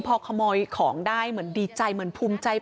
พอขโมยของได้เหมือนดีใจเหมือนภูมิใจ